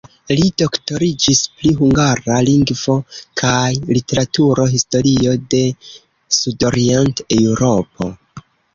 Li doktoriĝis pri hungara lingvo kaj literaturo, historio de Sudorient-Eŭropo.